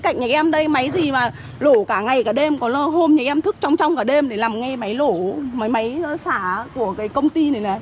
cái lúc này cả đêm hôm nay em thức trong trong cả đêm để làm ngay máy lổ máy máy xả của công ty này nè